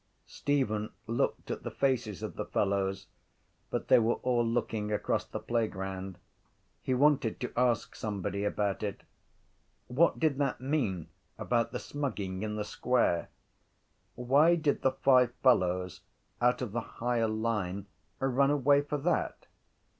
Stephen looked at the faces of the fellows but they were all looking across the playground. He wanted to ask somebody about it. What did that mean about the smugging in the square? Why did the five fellows out of the higher line run away for that?